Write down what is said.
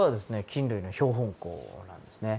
菌類の標本庫なんですね。